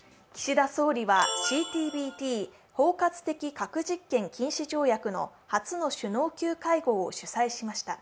岸田総理はＣＴＢＴ＝包括的核実験禁止条約の初の首脳級会合を主催しました。